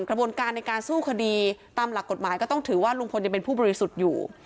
กระบวนการในการสู้คดีตามหลักกฎหมายก็ต้องถือว่าลุงพลยังเป็นผู้บริสุทธิ์อยู่